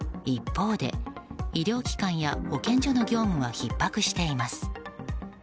一方で、医療機関や保健所の業務はひっ迫しています。